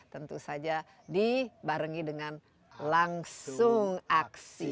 tentu saja dibarengi dengan langsung aksi